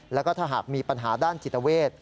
แล้วก็ถ้าหากมีปัญหาด้านจิตเวท